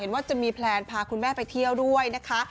ว่าจะมีแพลนพาคุณแม่ไปเที่ยวด้วยนะคะ